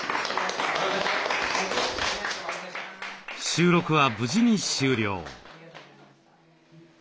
収録は無事に終了。